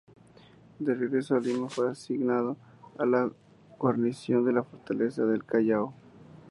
De regreso a Lima, fue asignado a la guarnición de la fortaleza del Callao.